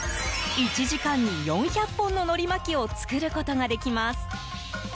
１時間に４００本ののり巻きを作ることができます。